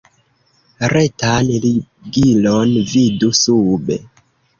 Retan ligilon vidu sube.